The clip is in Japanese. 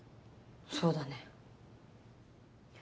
そうだね。